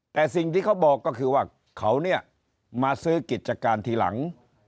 แต่สิ่งที่เขาบอกก็คือว่าเขาเนี่ยมาซื้อกิจการทีหลัง